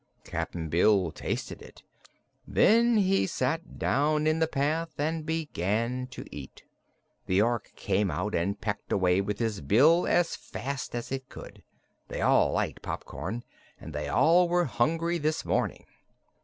Cap'n Bill tasted it; then he sat down in the path and began to eat. The Ork came out and pecked away with its bill as fast as it could. They all liked popcorn and they all were hungry this morning.